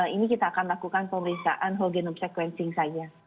ini kita akan melakukan pemeriksaan hogenum sequencing saja